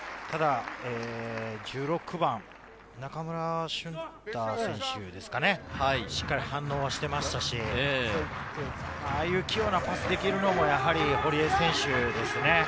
１６番・中村駿太選手ですかね、しっかり反応はしてましたし、ああいう器用なパスができるのも堀江選手ですね。